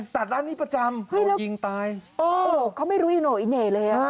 ตัดผมตัดอันนี้ประจำโดนยิงตายโอ้โฮเห้ยแล้วเขาไม่รู้ยังโอ้ไอ้เหน่เลย